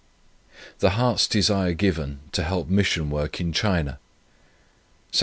THE HEART'S DESIRE GIVEN TO HELP MISSION WORK IN CHINA. "Sept.